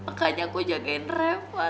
makanya aku jagain refah